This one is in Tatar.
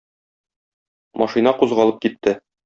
Машина кузгалып китте.